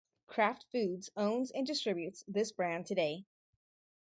Kraft Foods owns and distributes this brand today.